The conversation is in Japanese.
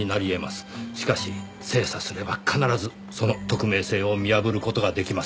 しかし精査すれば必ずその匿名性を見破る事が出来ます。